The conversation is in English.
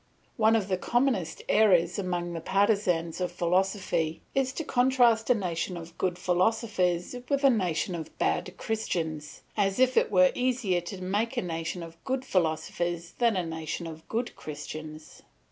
One of the commonest errors among the partisans of philosophy is to contrast a nation of good philosophers with a nation of bad Christians; as if it were easier to make a nation of good philosophers than a nation of good Christians.